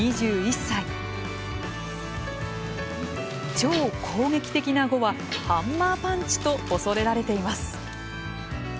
超攻撃的な碁はハンマーパンチと恐れられています。